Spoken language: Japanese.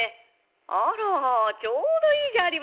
「あらちょうどいいじゃありませんか。